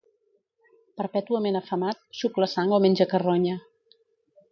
Perpètuament afamat, xucla sang o menja carronya.